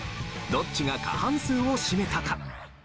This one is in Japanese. どっちが過半数を占めたか？